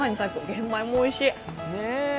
玄米もおいしい。